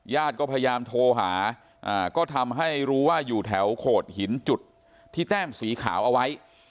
ญาติก็พยายามโทรหาก็ทำให้รู้ว่าอยู่แถวโขดหินจุดที่แต้มสีขาวเอาไว้